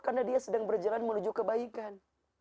karena dia sedang berjalan menuju kebaikan